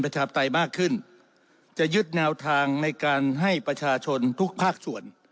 จะยึดแนวทางในการให้ประชาชนทุกภาคส่วน